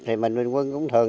thì mình bình quân cũng thường